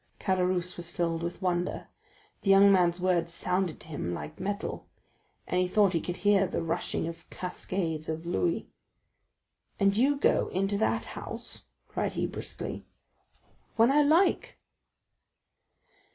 Caderousse was filled with wonder; the young man's words sounded to him like metal, and he thought he could hear the rushing of cascades of louis. "And you go into that house?" cried he briskly. "When I like."